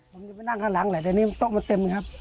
ผมจะไปนั่งข้างหลังแหละแต่นี่โต๊ะมันเต็มครับ